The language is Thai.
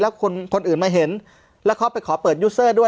แล้วคนอื่นมาเห็นแล้วเขาไปขอเปิดยูเซอร์ด้วย